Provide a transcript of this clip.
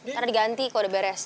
ntar diganti kalo udah beres